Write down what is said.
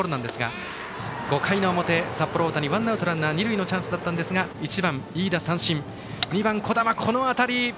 そして５回表、札幌大谷ワンアウトランナー、二塁のチャンスだったんですが１番、飯田は三振２番、樹神はこの当たり。